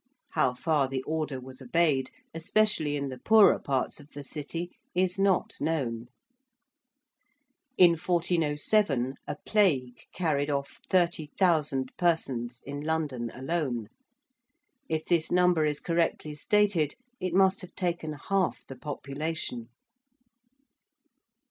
How far the order was obeyed, especially in the poorer parts of the City, is not known. In 1407 a plague carried off 30,000 persons in London alone. If this number is correctly stated it must have taken half the population.